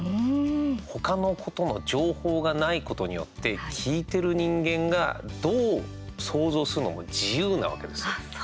他のことの情報がないことによって聞いてる人間がどう想像するのも自由なわけですよ。